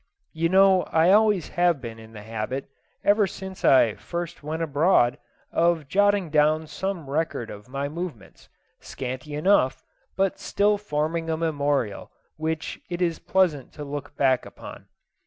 You know I have always been in the habit, ever since I first went abroad, of jotting down some record of my movements, scanty enough, but still forming a memorial which it is pleasant to look back upon.